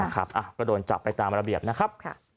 ก็โดนจับไปตามระเบียบนะครับ